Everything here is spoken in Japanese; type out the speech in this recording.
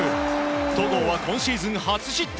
戸郷は今シーズン初失点。